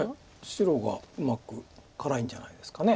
白がうまく辛いんじゃないですか。